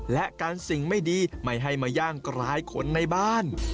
และกันสิ่งไม่ดีไม่ให้มาย่างกลายคนในบ้าน